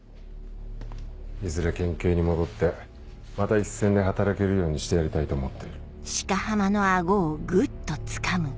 いずれ県警に戻ってまた一線で働けるようにしてやりたいと思っている。